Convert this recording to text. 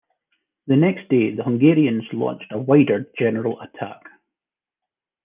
The next day the Hungarians launched a wider general attack.